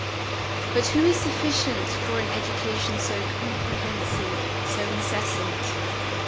But who is sufficient for an education so compre hensive, so incessant?